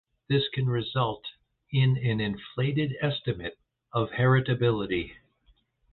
This can result in an inflated estimate of heritability.